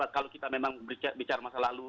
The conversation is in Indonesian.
kalau kita memang bicara masa lalu